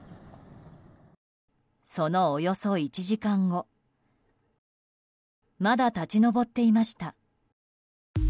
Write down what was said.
そのおよそ１時間後まだ立ち上っていました。